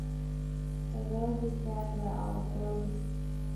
The village is surrounded by olive groves.